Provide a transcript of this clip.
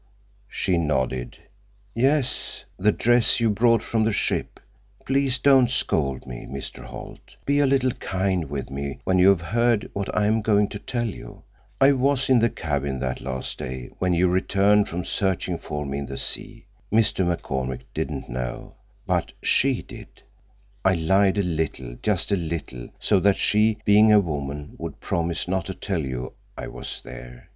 _" She nodded. "Yes, the dress you brought from the ship. Please don't scold me, Mr. Holt. Be a little kind with me when you have heard what I am going to tell you. I was in the cabin that last day, when you returned from searching for me in the sea. Mr. McCormick didn't know. But she did. I lied a little, just a little, so that she, being a woman, would promise not to tell you I was there.